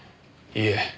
いえ。